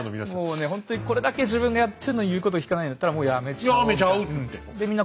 もうねほんとにこれだけ自分がやってるのに言うことを聞かないんだったらもうやめちゃおうみたいな。